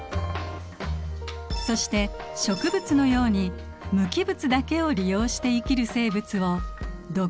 そして植物のように無機物だけを利用して生きる生物を「独立栄養生物」。